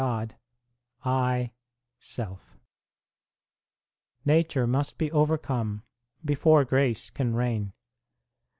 INTRODUCTION 17 Nature must be overcome before grace can reign.